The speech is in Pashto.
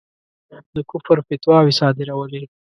د کُفر فتواوې صادرولې.